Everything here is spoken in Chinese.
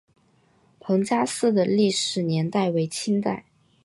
彭家祠的历史年代为清代。